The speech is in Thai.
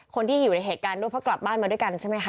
คนที่อยู่ในเหตุการณ์ด้วยเพราะกลับบ้านมาด้วยกันใช่ไหมคะ